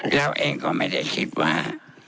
เราเองก็ไม่ได้คิดว่า